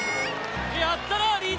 やったなリード！